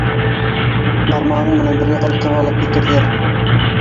Бармағың менән бергә ҡырҡып алып китерҙәр